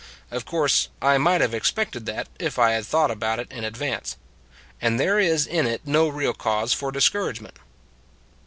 Of course, I might have expected that, if I had thought about it in advance; and there is in it no real cause for discourage ment.